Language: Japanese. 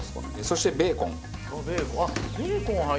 そしてベーコン。